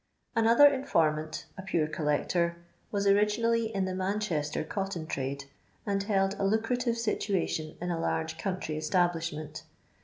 Another infrttmunt, a Pure collector, was ori ginally in the Manchester cotton trade, and hold a lucrative situation in a large country establish ment.